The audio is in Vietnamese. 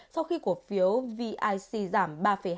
sau khi cổ phiếu vic giảm ba hai mươi ba